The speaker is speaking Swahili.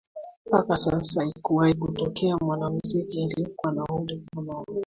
Mpaka sasa haikuwahi kutokea mwanamuziki aliyekuwa na umri kama wake